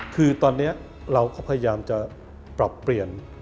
คือตอนนี้เราก็พยายามจะปรับเปลี่ยน